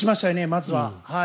まずは。